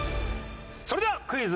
それではクイズ！